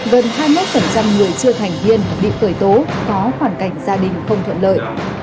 gần hai mươi một người chưa thành viên bị khởi tố có khoảng cảnh gia đình không thuận lợi